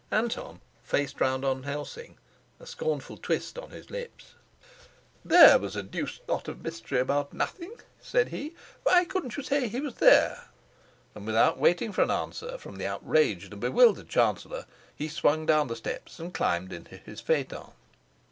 Anton faced round on Helsing, a scornful twist on his lips. "There was a deuced lot of mystery about nothing," said he. "Why couldn't you say he was there?" And without waiting for an answer from the outraged and bewildered chancellor he swung down the steps and climbed into his phaeton.